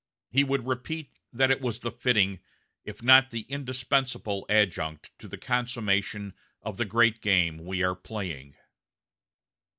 He would repeat that it was the fitting, if not the indispensable, adjunct to the consummation of the great game we are playing."